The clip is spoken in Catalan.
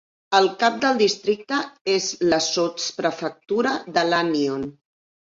El cap del districte és la sotsprefectura de Lannion.